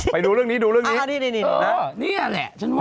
ไปดูเรื่องนี้นี่แหละฉันว่า